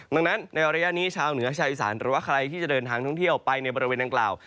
ดังนั้นในระยะนี้ชาวเหนือชาวอีสานหรือว่าใครที่จะเดินทางท่องเที่ยวไปในบริเวณดังกล่าว